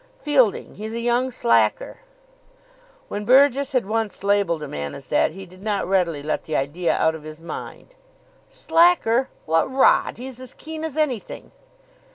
"Fielding. He's a young slacker." When Burgess had once labelled a man as that, he did not readily let the idea out of his mind. "Slacker? What rot! He's as keen as anything."